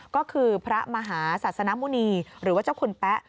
ก็คือพระมหาศาสนมุณีหรือว่าเจ้าคุณแป๊ะ